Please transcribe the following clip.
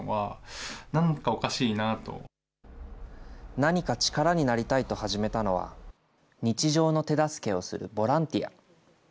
何か力になりたいと始めたのは、日常の手助けをするボランティア。